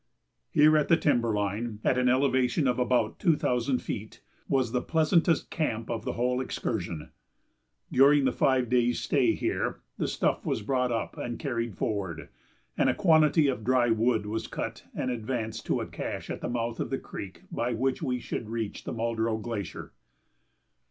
Here at the timber line, at an elevation of about two thousand feet, was the pleasantest camp of the whole excursion. During the five days' stay here the stuff was brought up and carried forward, and a quantity of dry wood was cut and advanced to a cache at the mouth of the creek by which we should reach the Muldrow Glacier.